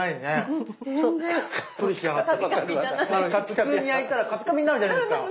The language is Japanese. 普通に焼いたらカピカピになるじゃないですか。